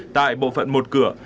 tại bộ phận một cửa